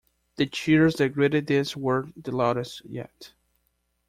The cheers that greeted this were the loudest yet.